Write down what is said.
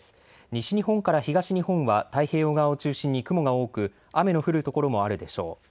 西日本から東日本は太平洋側を中心に雲が多く雨の降る所もあるでしょう。